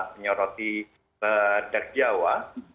menyoroti badak jawa